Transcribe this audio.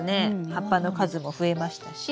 葉っぱの数も増えましたし。